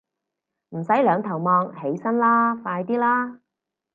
唔使兩頭望，起身啦，快啲啦